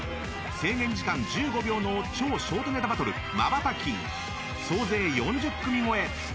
制限時間１５秒の超ショートネタバトルマバタキー総勢４０組超え！